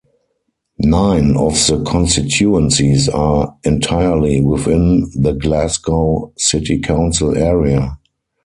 Nine of the constituencies are entirely within the Glasgow City council area.